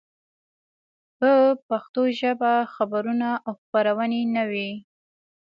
په پښتو ژبه خبرونه او خپرونې نه وې.